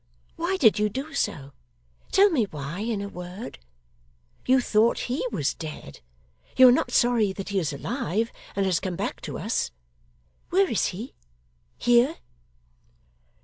Why did you do so? Tell me why, in a word. You thought HE was dead. You are not sorry that he is alive and has come back to us. Where is he? Here?